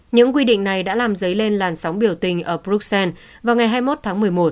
những quy định này đã làm dấy lên làn sóng biểu tình ở bruxelles vào ngày hai mươi một tháng một mươi một